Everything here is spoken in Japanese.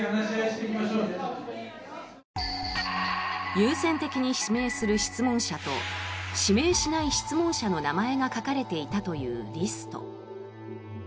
優先的に指名する質問者と指名しない質問者の名前が書かれていたというリスト。